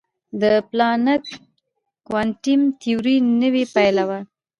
د پلانک کوانټم تیوري نوې پیل وه.